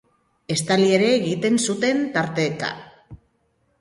Estali ere egiten zuten tarteka.